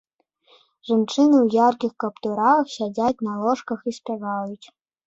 Жанчыны ў яркіх каптурах сядзяць на ложках і спяваюць.